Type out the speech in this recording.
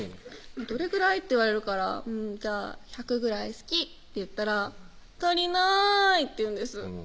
「どれぐらい？」って言われるから「じゃあ１００ぐらい好き」って言ったら「足りない」って言うんです